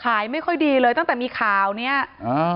ขายไม่ค่อยดีเลยตั้งแต่มีข่าวกัน